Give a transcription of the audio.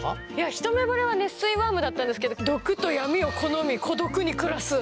一目ぼれは熱水ワームだったんですけど毒と闇を好み孤独に暮らす。